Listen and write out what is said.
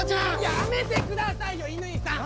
やめてくださいよ乾さん！